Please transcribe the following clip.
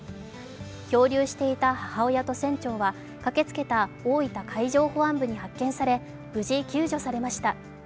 漂流していた母親と船長は、駆けつけた大分海上保安部に発見され、無事救助されました。